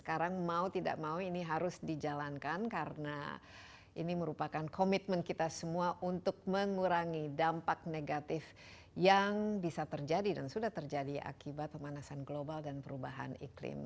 sekarang mau tidak mau ini harus dijalankan karena ini merupakan komitmen kita semua untuk mengurangi dampak negatif yang bisa terjadi dan sudah terjadi akibat pemanasan global dan perubahan iklim